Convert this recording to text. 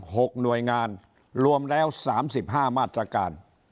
หกหน่วยงานรวมแล้วสามสิบห้ามาตรการ